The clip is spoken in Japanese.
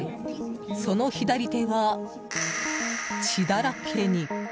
その左手は血だらけに。